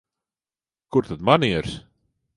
Kur tad manieres?